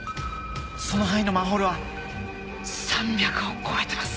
その範囲のマンホールは３００を超えてます。